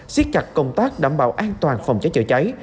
siết chặt công tác đảm bảo an toàn phòng trái chữa trái